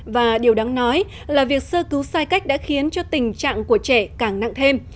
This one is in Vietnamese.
và điều đáng nói là việc sơ cứu sai cách đã khiến cho tình trạng của trẻ càng nặng thêm